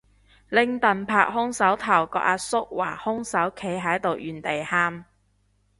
拎櫈拍兇手頭個阿叔話兇手企喺度原地喊